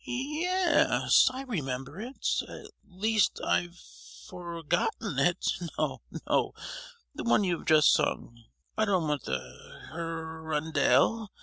"Ye—yes, I remember it; at least I've for—gotten it. No, no! the one you have just sung. I don't want the Hir—ondelle!